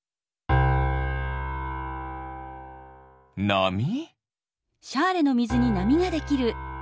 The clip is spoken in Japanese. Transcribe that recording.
なみ？